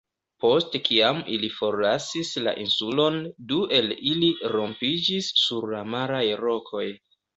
Post kiam ili forlasis la insulon, du el ili rompiĝis sur la maraj rokoj.